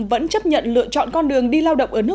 vẫn chấp nhận lựa chọn con đường đi lao động ở nước